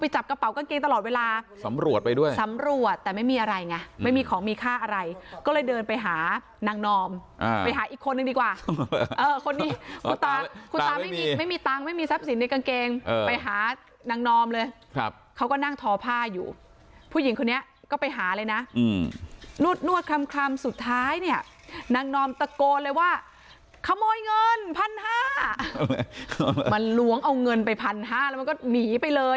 แต่ไม่มีอะไรไงไม่มีของมีค่าอะไรก็เลยเดินไปหานางนอมอ่าไปหาอีกคนนึงดีกว่าเออคนนี้คุณตาไม่มีไม่มีตังค์ไม่มีทรัพย์สินในกางเกงเออไปหานางนอมเลยครับเขาก็นั่งทอผ้าอยู่ผู้หญิงคนนี้ก็ไปหาเลยน่ะอืมนวดนวดคล่ำคล่ำสุดท้ายเนี้ยนางนอมตะโกนเลยว่าขโมยเงินพันห้ามันล้วงเอาเงินไปพันห้าแล้